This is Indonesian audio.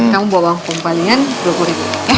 kamu bawa uang kumpalian rp dua puluh ya